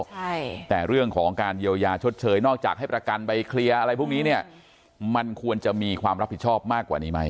ใช่แต่เรื่องของการเยียวยาชดเชยนอกจากให้ประกันไปเคลียร์อะไรพวกนี้เนี่ยมันควรจะมีความรับผิดชอบมากกว่านี้ไหม